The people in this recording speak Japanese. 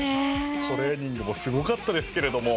トレーニングもすごかったですけれども。